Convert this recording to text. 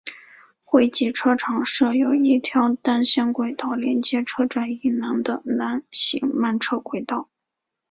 汇集车厂设有一条单线轨道连接车站以南的南行慢车轨道。